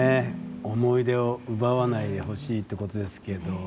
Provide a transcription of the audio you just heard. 思い出を奪わないでほしいということですけど。